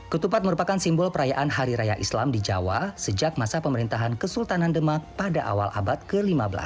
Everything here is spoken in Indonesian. ketupat merupakan simbol perayaan hari raya islam di jawa sejak masa pemerintahan kesultanan demak pada awal abad ke lima belas